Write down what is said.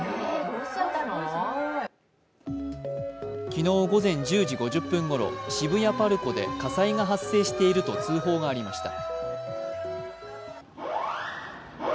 昨日午前１０時５０分ごろ渋谷ＰＡＲＣＯで火災が発生していると通報がありました。